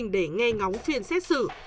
để nghe ngóng phiền xét xử